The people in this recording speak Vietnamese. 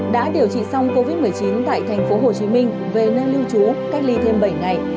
đã điều trị xong covid một mươi chín tại thành phố hồ chí minh về nơi lưu trú cách ly thêm bảy ngày